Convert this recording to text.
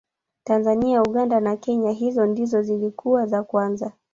tanzania uganda na kenya hizo ndizo zilikuwa za kwanza